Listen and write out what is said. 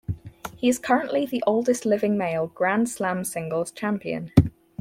He is currently the oldest living male Grand Slam singles champion.